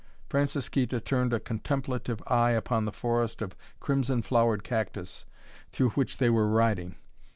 Francisquita turned a contemplative eye upon the forest of crimson flowered cactus through which they were riding.